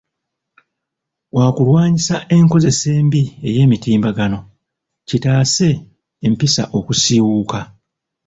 Wa kulwanyisa enkozesa embi ey'emitimbagano, kitaase empisa okusiiwuuka.